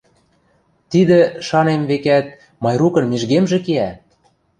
Тидӹ, шанем, векӓт, Майрукын мижгемжӹ киӓ!